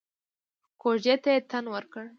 کوژدې ته يې تن ورکړ.